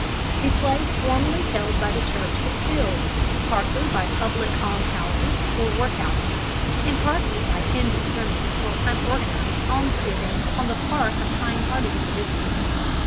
The place formerly held by the Church was filled, partly by public almshouses or workhouses, and partly by indiscriminate and unorganized almsgiving on the part of kind hearted individuals.